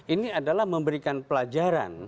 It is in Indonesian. ini adalah memberikan pelajaran